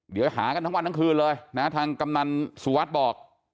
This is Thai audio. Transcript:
เดี๋ยวหากันทั้งวันทั้งคืนเลยนะทางกำนันสุวัสดิ์บอก